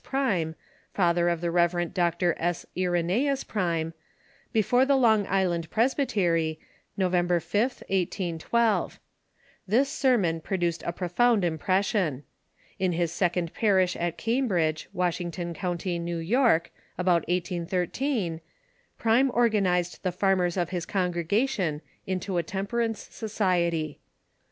Prime, fatlier of the Rev. Dr. S. Irenojus Prime, before the Long Island Presbytery, November 5th, 1812. This sermon produced a profound impression. In his second parish at Cambridge, Washington County, New York, about 1813, Prime organized the farmers of his congregation into a tem perance society.